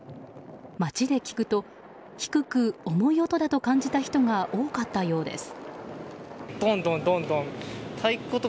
街で聞くと、低く重い音だと感じた人が多かったようです。